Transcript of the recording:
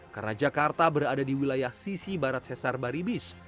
karena jakarta berada di wilayah sisi barat cesar baribis